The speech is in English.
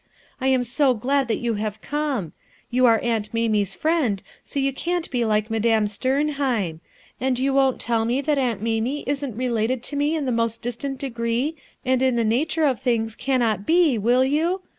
I am so glad that you have eomel You are Aunt Mamie's friend, so you can't be like Madame Sternhtim; and you won't tell me that Aunt Mamie isn't related to me in the most distant degree and in the nature of things cannot be, will you?